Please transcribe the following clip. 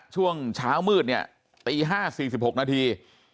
ช่วงเช้ามืดเนี่ยตี๕๔๖นาที